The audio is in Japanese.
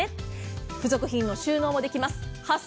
付属品の収納もできます。